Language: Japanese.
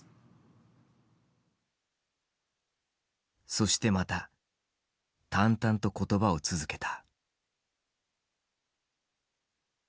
そしてまた淡々と言葉を続けた。